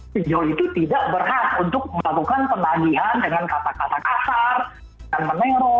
pinjol itu tidak berhak untuk melakukan penagihan dengan kata kata kasar dan menero